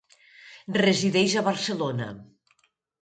Resideix a Barcelona.